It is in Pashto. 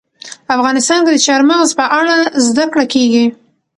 افغانستان کې د چار مغز په اړه زده کړه کېږي.